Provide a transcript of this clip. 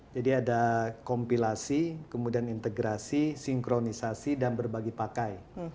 jadi ada kompilasi kemudian integrasi sinkronisasi dan berbagi pakai